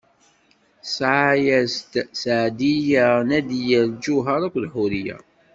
Tesɛa-as-d: Seɛdiya, Nadiya, Lǧuheṛ akked Ḥuriya.